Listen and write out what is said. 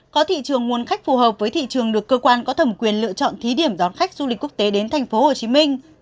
có thị trường nguồn khách phù hợp với thị trường được cơ quan có thẩm quyền lựa chọn thí điểm đón khách du lịch quốc tế đến tp hcm